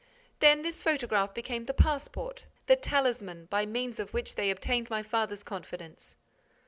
"Then this photograph became the passport, the talisman, by means of which they obtained my father's confidence."